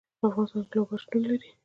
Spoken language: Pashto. په افغانستان کې لوگر شتون لري.